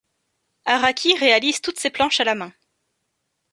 Araki réalise toutes ses planches à la main.